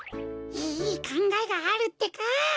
いいかんがえがあるってか！